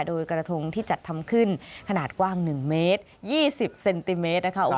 โดยกระทงที่จัดทำขึ้นขนาดกว้าง๑เมตร๒๐เซนติเมตรนะคะ